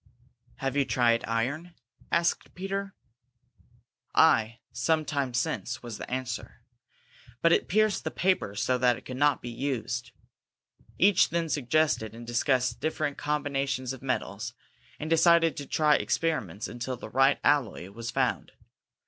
"Have you tried iron?" asked Peter. "Aye, some time since," was the answer; "but it pierced the paper so that it could not be used." Each then suggested and discussed different combinations of metals, and decided to try experiments until the right alloy was found.